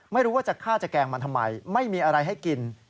ไม่รู้ว่าจะฆ่าจะแกล้งมันทำไมไม่มีอะไรให้กิน